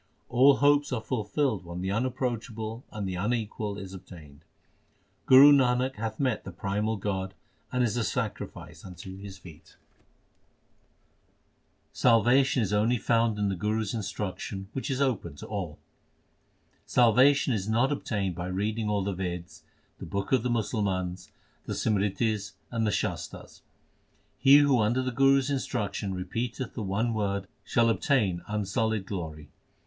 All hopes are fulfilled when the Unapproachable and the Unequalled is obtained. Guru Nanak hath met the primal God, and is a sacrifice unto His feet. 1 The world which has been projected from the Creator, 392 THE SIKH RELIGION Salvation is only found in the Guru s instruction which is open to all : Salvation is not obtained by reading all the Veds, the books of the Musalmans, the Simritis, and the Shastars. He who under the Guru s instruction repeateth the one Word shall obtain unsullied glory.